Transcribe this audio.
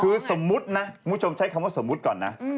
คือสมมุตินะคุณผู้ชมใช้คำว่าสมมุติก่อนนะ